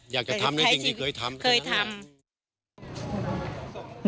อยากจะทำในจริงที่เคยทำ